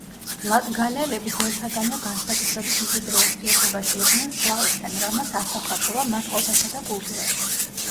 ლატგალელები ძველთაგანვე განსაკუთრებით მჭიდრო ურთიერთობაში იყვნენ სლავებთან, რამაც ასახვა პოვა მათ ყოფასა და კულტურაში.